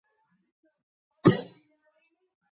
გათბობისას ჰაერი ფართოვდება და მაღლა ადის.